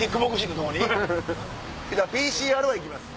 ＰＣＲは行きます。